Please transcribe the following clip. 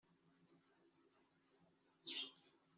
Mariya afite imibonano mpuzabitsina myinshi